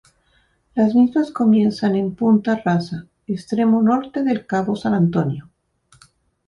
Las mismas comienzan en punta Rasa, extremo norte del cabo San Antonio.